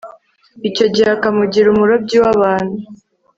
icyo gihe akamugira umurobyi w'abantu